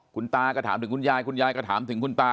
คุณตาก็ถามถึงคุณยายคุณยายก็ถามถึงคุณตา